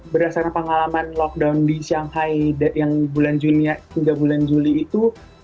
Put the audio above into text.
berdasarkan pengalaman lockdown di shanghai yang bulan juni hingga bulan juli itu